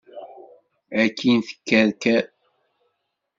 Akin tekkerker.